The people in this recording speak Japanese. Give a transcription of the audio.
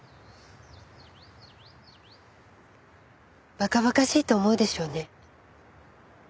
馬鹿馬鹿しいと思うでしょうね。